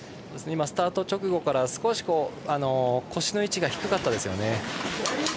スタート直後から少し腰の位置が低かったですね。